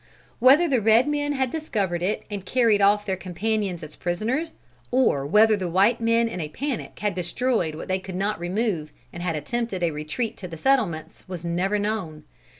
Whether the red men had discovered it and carried off their companions as prisoners, or whether the white men in a panic had destroyed what they could not remove and had attempted a retreat to the settlements, was never known.